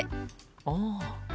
ああ。